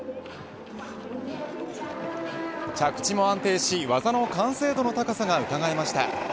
着地も安定し、技の完成度の高さがうかがえました。